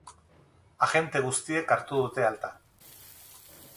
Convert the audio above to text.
Agente guztiek hartu dute alta.